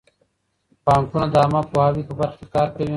بانکونه د عامه پوهاوي په برخه کې کار کوي.